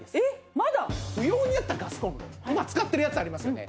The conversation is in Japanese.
不要になったガスコンロ今使ってるやつありますよね。